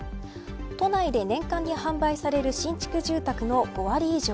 都内で年間に販売される新築住宅の５割以上。